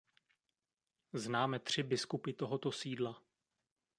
Známe tři biskupy tohoto sídla.